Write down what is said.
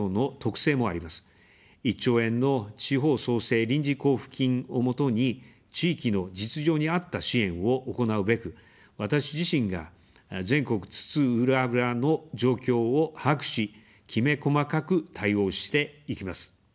１兆円の地方創生臨時交付金を基に、地域の実情に合った支援を行うべく、私自身が全国津々浦々の状況を把握し、きめ細かく対応していきます。